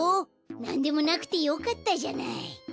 なんでもなくてよかったじゃない。